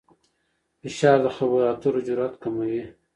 فشار د خبرو اترو جرئت کموي.